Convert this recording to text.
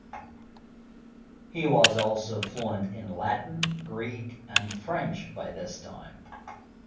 He was also fluent in Latin, Greek, and French by this time.